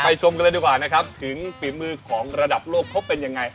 ชมกันเลยดีกว่านะครับถึงฝีมือของระดับโลกเขาเป็นยังไง